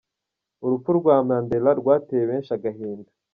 Urupfu rwa Mandela rwateye benshi agahinda.